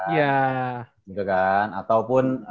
iya gitu kan ataupun